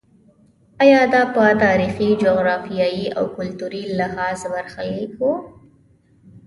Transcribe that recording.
ایا دا په تاریخي، جغرافیایي او کلتوري لحاظ برخلیک و.